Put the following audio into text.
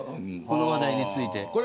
この話題について。